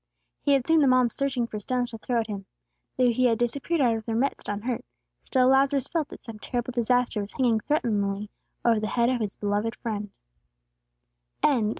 He had seen the mob searching for stones to throw at Him. Though He had disappeared out of their midst unhurt, still Lazarus felt that some terrible disaster was hanging threateningly over the head of his beloved friend.